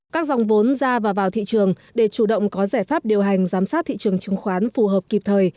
các dòng vốn ra và vào thị trường để chủ động có giải pháp điều hành giám sát thị trường chứng khoán phù hợp kịp thời